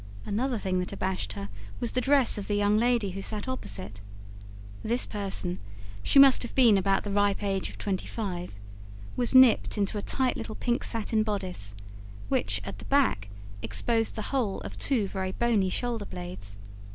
Another thing that abashed her was the dress of the young lady, who sat opposite. This person she must have been about the ripe age of twenty five was nipped into a tight little pink satin bodice, which, at the back, exposed the whole of two very bony shoulder blades.